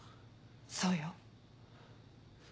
そうよ。